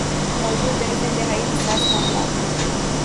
موضوع بحث انتہائی حساس معاملات ہیں۔